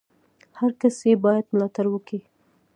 هر کس ئې بايد ملاتړ وکي!